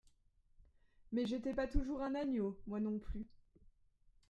Mais j'étais pas toujours un agneau, moi non plus.